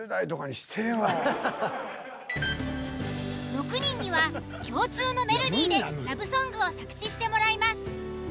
６人には共通のメロディでラブソングを作詞してもらいます。